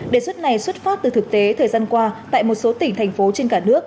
đề xuất này xuất phát từ thực tế thời gian qua tại một số tỉnh thành phố trên cả nước